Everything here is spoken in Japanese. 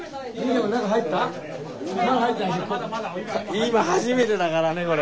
今初めてだからねこれ。